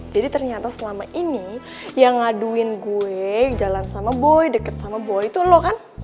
jadi ternyata selama ini yang ngaduin gue jalan sama boy deket sama boy itu lo kan